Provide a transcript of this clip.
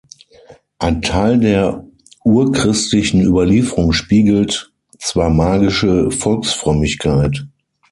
Ein Teil der urchristlichen Überlieferung spiegelt zwar magische Volksfrömmigkeit.